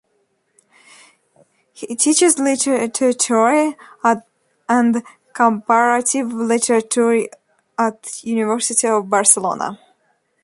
He teaches Literary Theory and Comparative Literature at University of Barcelona.